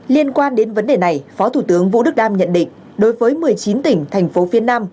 liên quan đến vấn đề này phó thủ tướng vũ đức đam nhận định đối với một mươi chín tỉnh thành phố phía nam